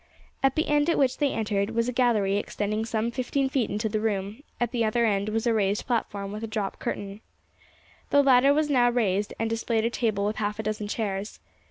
At the end at which they entered was a gallery extending some fifteen feet into the room, at the other end was a raised platform, with a drop curtain. The latter was now raised, and displayed a table with half a dozen chairs.